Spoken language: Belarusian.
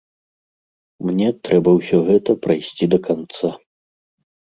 Мне трэба ўсё гэта прайсці да канца.